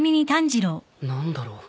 何だろう。